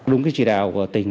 đúng cái chỉ đạo của tỉnh